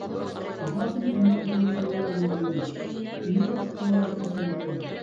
باھاسىنى شۇنداقمۇ ئۆرە قويۇۋالامدۇ دەيمەن؟ ئېنىقلا پۇقرالار ئۇقمىسۇن دەپتۇ.